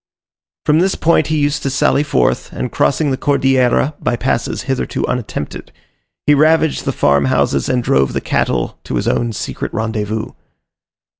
From this point he used to sally forth, and crossing the Cordillera by passes hitherto unattempted, he ravaged the farm houses and drove the cattle to his secret rendezvous.